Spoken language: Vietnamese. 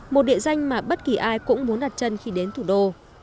một địa danh mà bất kỳ ai cũng muốn đặt chân khi đến thủ đô